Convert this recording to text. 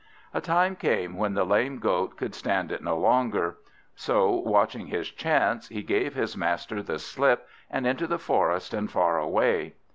A time came when the lame Goat could stand it no longer. So watching his chance, he gave his master the slip, and into the forest and far away.